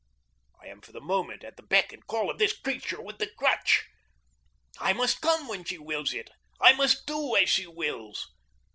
I am for the moment at the beck and call of this creature with the crutch. I must come when she wills it. I must do as she wills.